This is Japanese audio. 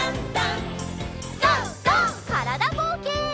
からだぼうけん。